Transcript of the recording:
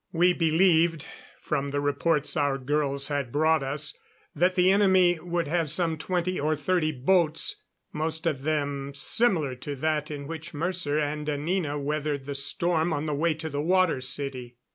We believed, from the reports our girls had brought us, that the enemy would have some twenty or thirty boats, most of them similar to that in which Mercer and Anina weathered the storm on the way to the Water City.